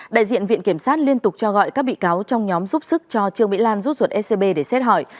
đại diện viện kiểm sát liên tục cho gọi các bị cáo trong nhóm giúp sức cho trương mỹ lan rút ruột scb để xét hỏi